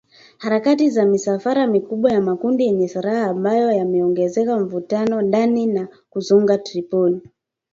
Harakati za misafara mikubwa ya makundi yenye silaha ambayo yameongeza mvutano ndani na kuzunguka Tripoli